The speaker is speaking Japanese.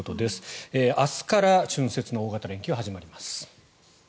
明日から春節の大型連休が始まります。